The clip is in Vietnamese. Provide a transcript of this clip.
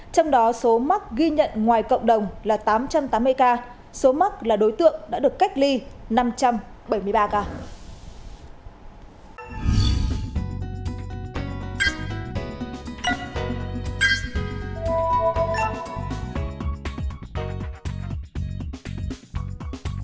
trong đó số mắc ghi nhận ngoài cộng đồng là tám trăm tám mươi ca số mắc là đối tượng đã được cách lì năm trăm bảy mươi ba ca